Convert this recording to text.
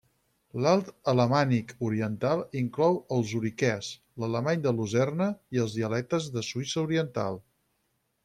L'alt alamànic oriental inclou el zuriquès, l'alemany de Lucerna i els dialectes de Suïssa oriental.